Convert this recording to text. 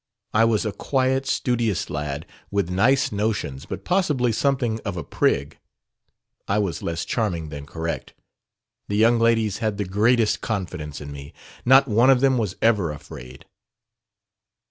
I was a quiet, studious lad, with nice notions, but possibly something of a prig. I was less 'charming' than correct. The young ladies had the greatest confidence in me, not one of them was ever 'afraid'."